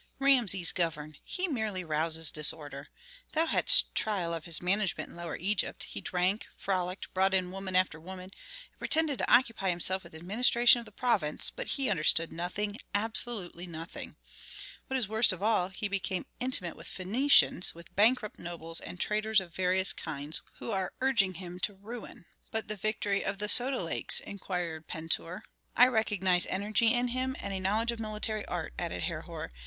"Rameses govern! He merely rouses disorder. Thou hadst trial of his management in Lower Egypt: he drank, frolicked, brought in woman after woman, and pretended to occupy himself with administration of the province, but he understood nothing, absolutely nothing. What is worst of all, he became intimate with Phœnicians, with bankrupt nobles, and traitors of various kinds, who are urging him to ruin." "But the victory of the Soda Lakes?" inquired Pentuer. "I recognize energy in him, and a knowledge of military art," added Herhor.